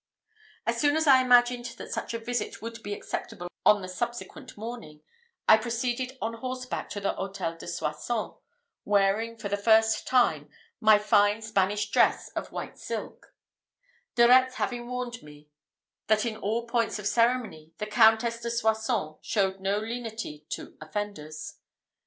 As soon as I imagined that such a visit would be acceptable on the subsequent morning, I proceeded on horseback to the Hôtel de Soissons, wearing, for the first time, my fine Spanish dress of white silk, De Retz having warned me, that in all points of ceremony, the Countess de Soissons showed no lenity to offenders.